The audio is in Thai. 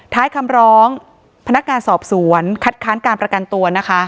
ท้ายคำร้องพนักงานสอบสวนคัดค้านการประกันตัวนะคะ